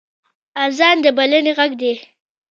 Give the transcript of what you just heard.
اذان د بلنې غږ دی